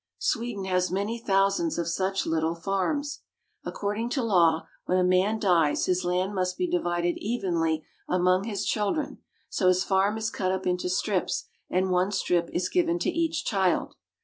Sweden has many thousands of such little farms. According to law, when a man dies his land must be divided evenly among his chil dren, so his farm is cut up into strips and one strip is given to each child.